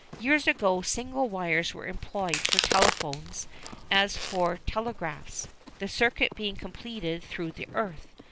Years ago single wires were employed for telephones as for telegraphs, the circuit being completed through the earth.